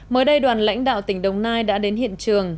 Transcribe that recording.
mới đây đoàn lãnh đạo tỉnh đồng nai đã đến hiện trường